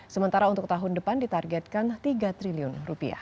sementara untuk tahun depan ditargetkan tiga triliun rupiah